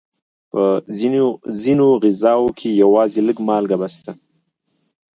په ځینو غذاوو کې یوازې لږه مالګه بس ده.